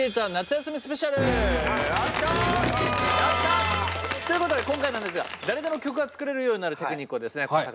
やった！ということで今回なんですが誰でも曲が作れるようになるテクニックをですね古坂